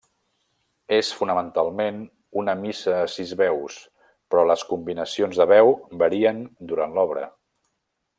És fonamentalment una missa a sis veus, però les combinacions de veu varien durant l'obra.